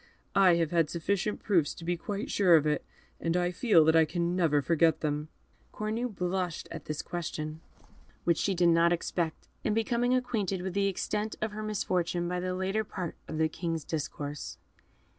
I have had sufficient proofs to be quite sure of it, and I feel that I can never forget them." Cornue blushed at this question, which she did not expect, and becoming acquainted with the extent of her misfortune by the latter part of the King's discourse.